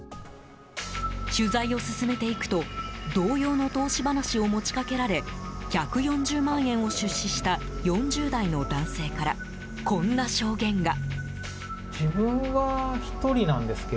取材を進めていくと同様の投資話を持ちかけられ１４０万円を出資した４０代の男性からこんな証言が。